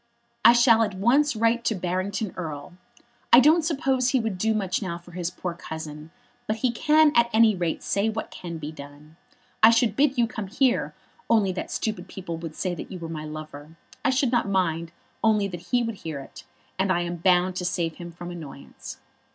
"I shall at once write to Barrington Erle. I don't suppose he would do much now for his poor cousin, but he can at any rate say what can be done. I should bid you come here, only that stupid people would say that you were my lover. I should not mind, only that he would hear it, and I am bound to save him from annoyance.